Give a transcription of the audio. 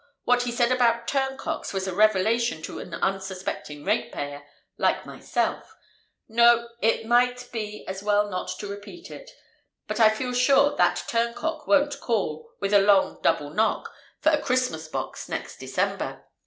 —what he said about turncocks was a revelation to an unsuspecting ratepayer like myself—No, it might be as well not to repeat it; but I feel sure that turncock won't call, with a long double knock, for a Christmas box next December.